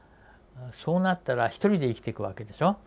そうなったら一人で生きてくわけでしょ。